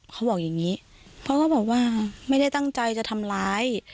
เขาบอกอย่างนี้เพราะเขาบอกว่าไม่ได้ตั้งใจจะทำร้าย